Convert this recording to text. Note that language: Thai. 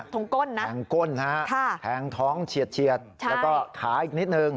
แทงก้นนะแทงท้องเฉียดแล้วก็ขาอีกนิดหนึ่ง